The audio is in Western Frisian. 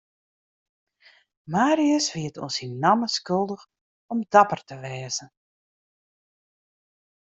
Marius wie it oan syn namme skuldich om dapper te wêze.